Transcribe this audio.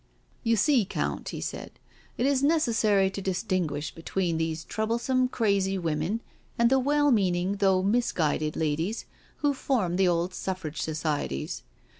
" You ^ee, Count/' he said, " it is necessary to dis tinguish between these troublesome, crazy women and the well meaning, though misguided, ladies who form the old Suffrage Societies.